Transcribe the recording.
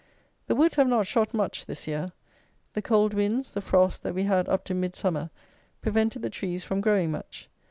The woods have not shot much this year. The cold winds, the frosts, that we had up to Midsummer, prevented the trees from growing much.